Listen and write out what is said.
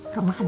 rumah kan ya